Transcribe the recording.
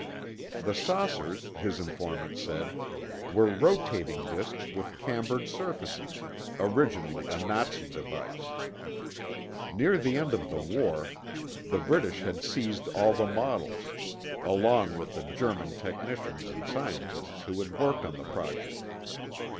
The saucers, his informant said, were rotating disks with cambered surfaces—originally a Nazi device. Near the end of the war, the British had seized all the models, along with the German technicians and scientists who had worked on the project.